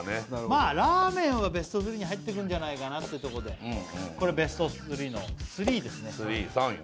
まあラーメンはベスト３に入ってくるんじゃないかなってこれベスト３の３ですね